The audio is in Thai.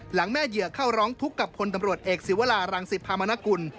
หลังแม่เหยื่อเข้าร้องทุกข์กับพลตำรวจเอกศิวรารังศิพรามนกุล